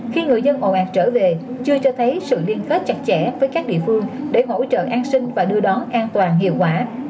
khi người dân ồ ạt trở về chưa cho thấy sự liên kết chặt chẽ với các địa phương để hỗ trợ an sinh và đưa đón an toàn hiệu quả